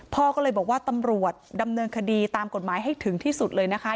พ่อก็เลยบอกว่าตำรวจดำเนินคดีตามกฎหมายให้ถึงที่สุดเลยนะคะ